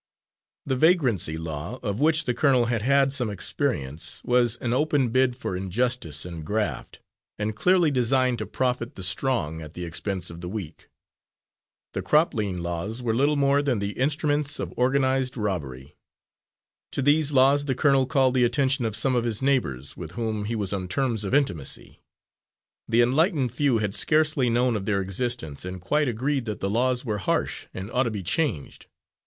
The vagrancy law, of which the colonel had had some experience, was an open bid for injustice and "graft" and clearly designed to profit the strong at the expense of the weak. The crop lien laws were little more than the instruments of organised robbery. To these laws the colonel called the attention of some of his neighbours with whom he was on terms of intimacy. The enlightened few had scarcely known of their existence, and quite agreed that the laws were harsh and ought to be changed.